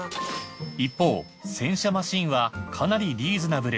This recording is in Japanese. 一方洗車マシンはかなりリーズナブル！